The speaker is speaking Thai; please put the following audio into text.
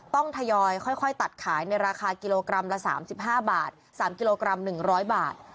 ทยอยค่อยตัดขายในราคากิโลกรัมละ๓๕บาท๓กิโลกรัม๑๐๐บาท